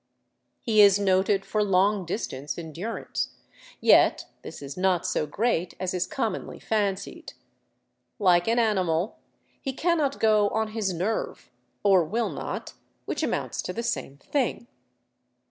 He Is noted for long distance endurance; yet this is not so great as is commonly fancied. Like an animal, he cannot go " on his nerve," or will not, which amounts to the same thing.